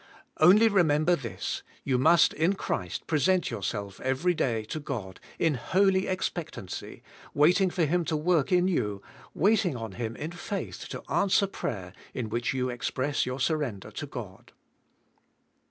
Only remember this, you must in Christ present yourself every day to God in holy ex pectancy, waiting for Him to work in you, waiting on Him in faith to answer prayer in which you ex press your surrender to God.